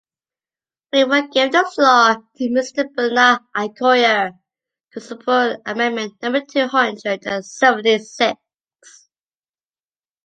We will give the floor to Mr Bernard Accoyer, to support amendment number two hundred and seventy six.